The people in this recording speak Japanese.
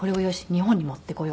日本に持ってこよう！